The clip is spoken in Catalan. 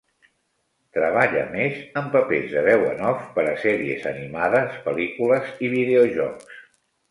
Treballa més en papers de veu en off per a sèries animades, pel·lícules i videojocs.